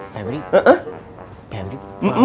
febri ini mau panggil